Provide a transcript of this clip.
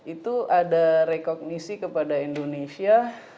itu ada rekognisi kepada indonesia